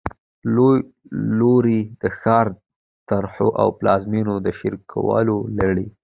له لوري د ښاري طرحو او پلانونو د شریکولو لړۍ